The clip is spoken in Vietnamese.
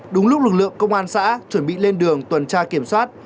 đúng lúc lực lượng công an xã chuẩn bị lên đường tuần tra kiểm soát